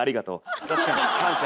確かに。感謝。